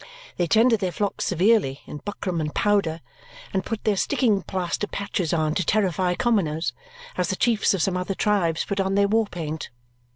They tended their flocks severely in buckram and powder and put their sticking plaster patches on to terrify commoners as the chiefs of some other tribes put on their war paint.